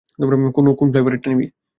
কোন ফ্লেভারের নিবি?